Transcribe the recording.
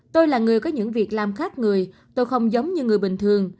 tôi là người có những việc làm khác người tôi không giống như người bình thường